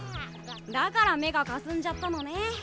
だから目がかすんじゃったのね。